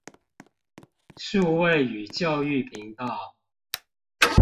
數位與教育頻道